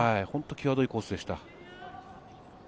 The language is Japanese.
本当に際どいコースでした。